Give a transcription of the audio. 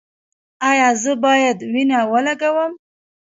ایا زه باید وینه ولګوم؟